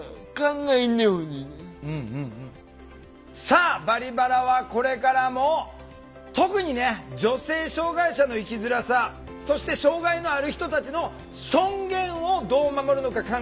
さあ「バリバラ」はこれからも特にね女性障害者の生きづらさそして障害のある人たちの尊厳をどう守るのか考えていきます。